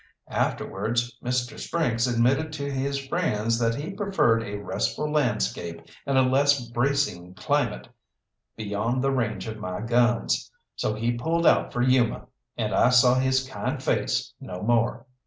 Afterwards Mr. Sprynkes admitted to his friends that he preferred a restful landscape and a less bracing climate beyond the range of my guns so he pulled out for Yuma, and I saw his kind face no more.